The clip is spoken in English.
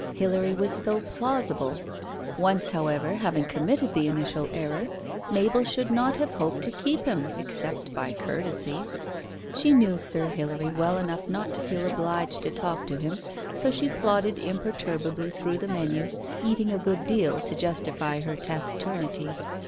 Hilary was so plausible. Once, however, having committed the initial error, Mabel should not have hoped to keep him, except by courtesy. She knew Sir Hilary well enough not to feel obliged to talk to him, so she plodded imperturbably through the menu, eating a good deal to justify her taciturnity.